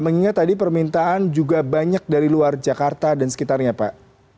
mengingat tadi permintaan juga banyak dari luar jakarta dan sekitarnya pak